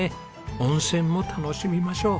温泉も楽しみましょう。